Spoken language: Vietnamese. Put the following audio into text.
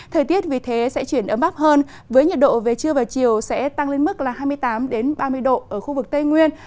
thời tiết vì thế sẽ chuyển ấm áp hơn với nhiệt độ về trưa và chiều sẽ tăng lên mức là hai mươi tám ba mươi độ ở khu vực tây nguyên